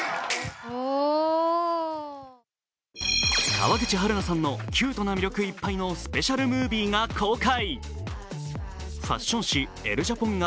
川口春奈さんのキュートな魅力いっぱいのスペシャルムービーが公開。